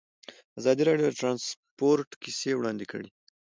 ازادي راډیو د ترانسپورټ کیسې وړاندې کړي.